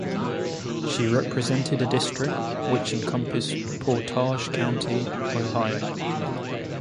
She represented a district which encompassed Portage County, Ohio.